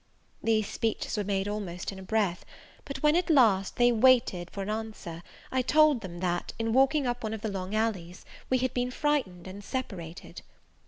These speeches were made almost in a breath: but when, at last, they waited for an answer, I told them, that, in walking up one of the long alleys, we had been frightened and separated.